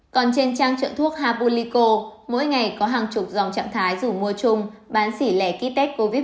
còn trên trang trượng thuốc hapulico mỗi ngày có hàng chục dòng trạm thái rủ mua chung bán xỉ lẻ kit test covid một mươi chín